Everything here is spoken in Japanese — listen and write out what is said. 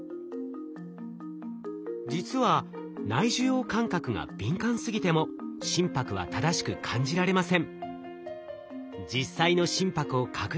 実は内受容感覚が敏感すぎても心拍は正しく感じられません。